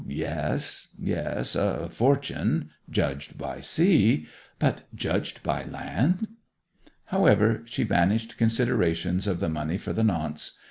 'Yes—yes. A fortune—judged by sea; but judged by land—' However, she banished considerations of the money for the nonce.